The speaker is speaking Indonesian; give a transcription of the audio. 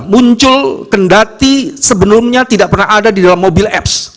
muncul kendati sebelumnya tidak pernah ada di dalam mobil apps